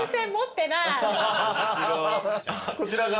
こちらが。